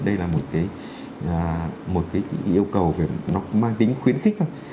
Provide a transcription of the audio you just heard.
đây là một cái yêu cầu về nó mang tính khuyến khích thôi